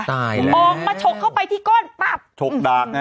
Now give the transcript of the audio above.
ตายแล้วออกมาชกเข้าไปที่ก้นปั๊บชกดากไง